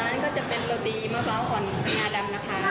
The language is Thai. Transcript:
นั้นก็จะเป็นโรตีมะพร้าวอ่อนงาดำนะคะ